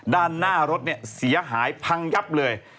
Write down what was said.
ด้านหน้ารถเนี่ยเสียหายพังยับเลย